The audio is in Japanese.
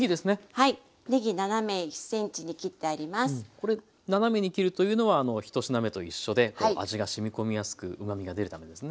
これ斜めに切るというのは１品目と一緒で味がしみこみやすくうまみが出るためですね。